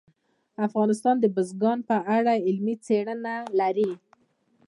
افغانستان د بزګان په اړه علمي څېړنې لري.